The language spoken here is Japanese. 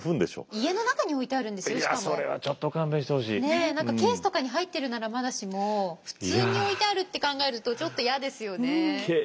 ねえ何かケースとかに入ってるならまだしも普通に置いてあるって考えるとちょっと嫌ですよね。